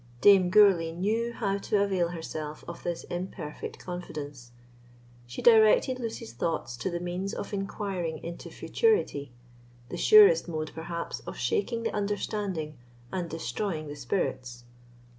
Dame Gourlay knew how to avail herself of this imperfect confidence. She directed Lucy's thoughts to the means of inquiring into futurity—the surest mode perhaps, of shaking the understanding and destroying the spirits.